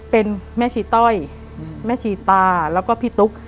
เป็นแม่ชีต้อยแม่ชีตาแล้วก็พี่ตุ๊ก